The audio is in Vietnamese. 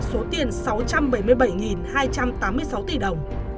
số tiền sáu trăm bảy mươi bảy hai trăm tám mươi sáu tỷ đồng